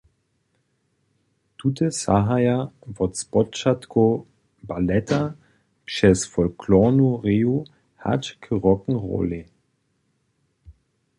Tute sahaja wot spočatkow baleta přez folklornu reju hač k rock’n’rollej.